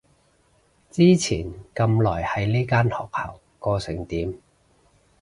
之前咁耐喺呢間學校過成點？